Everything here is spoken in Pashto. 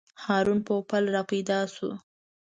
هارون پوپل راپیدا شو.